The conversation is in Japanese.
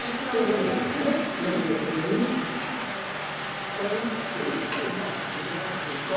ノビた時にここへこういう手もありますが。